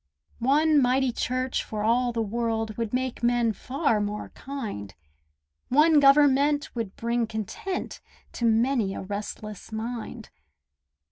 One mighty church for all the world Would make men far more kind; One government would bring content To many a restless mind.